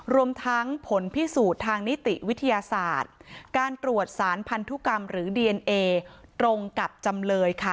รวมทั้งผลพิสูจน์ทางนิติวิทยาศาสตร์การตรวจสารพันธุกรรมหรือดีเอนเอตรงกับจำเลยค่ะ